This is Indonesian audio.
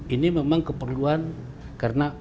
ini memang keperluan karena